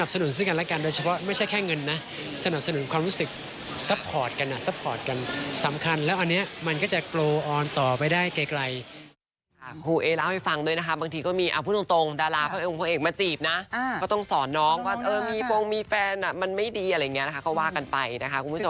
สนับสนุนซื่นกันและกันโดยเฉพาะไม่ใช่แค่เงินนะสนับสนุนความรู้สึกซัพพอร์ตกันนะซัพพอร์ตกันสำคัญแล้วอันนี้มันก็จะโปรออนต่อไปได้ไกล